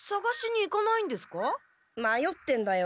まよってんだよ。